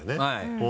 はい。